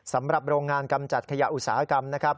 สำหรับโรงงานกำจัดขยะอุตสาหกรรมนะครับ